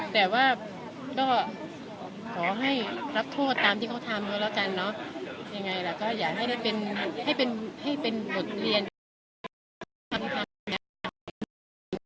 แต่ว่าก็ขอให้รับโทษตามที่เขาทำก็แล้วจันเนาะยังไงล่ะก็อย่าให้ได้เป็นให้เป็นให้เป็นบทเรียน